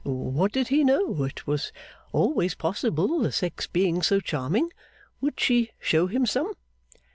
What did he know? It was always possible; the sex being so charming. Would she show him some?